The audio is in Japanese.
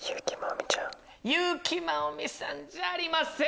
優木まおみさんじゃありません。